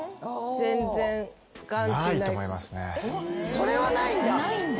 それはないんだ。